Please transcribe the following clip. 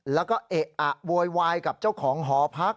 แล้วก็เอะอะโวยวายกับเจ้าของหอพัก